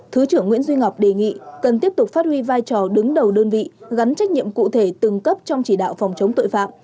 thứ trưởng nguyễn duy ngọc đề nghị cần tiếp tục phát huy vai trò đứng đầu đơn vị gắn trách nhiệm cụ thể từng cấp trong chỉ đạo phòng chống tội phạm